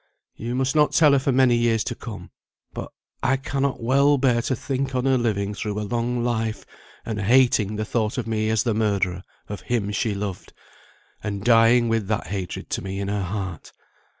You must not tell her for many years to come; but I cannot well bear to think on her living through a long life, and hating the thought of me as the murderer of him she loved, and dying with that hatred to me in her heart.